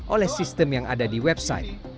oleh sistem yang ada di website